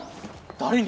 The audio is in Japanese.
誰に？